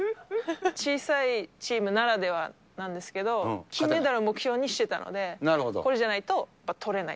小さいチームならではなんですけど、金メダル目標にしてたので、これじゃないと、とれない。